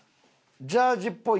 ジャージっぽい？